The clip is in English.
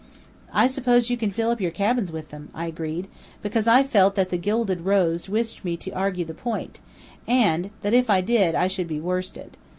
"I suppose you can fill up your cabins with them," I agreed, because I felt that the Gilded Rose wished me to argue the point, and that if I did I should be worsted.